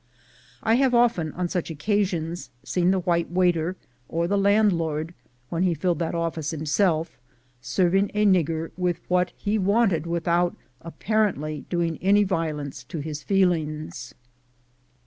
I have often, on such occasions, seen the white waiter, or the landlord, when he filled that office himself, serving a nigger with what he wanted without apparently doing any violence to his feelings.